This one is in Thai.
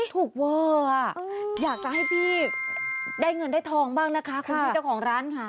เวอร์อยากจะให้พี่ได้เงินได้ทองบ้างนะคะคุณพี่เจ้าของร้านค่ะ